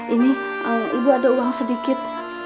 ini ibu ada uang sedikit